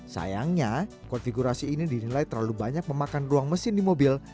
sayangnya konfigurasi ini dinilai terlalu banyak memakan ruang mesin di mobil